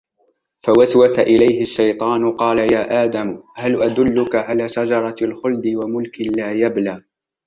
فَوَسْوَسَ إِلَيْهِ الشَّيْطَانُ قَالَ يَا آدَمُ هَلْ أَدُلُّكَ عَلَى شَجَرَةِ الْخُلْدِ وَمُلْكٍ لَا يَبْلَى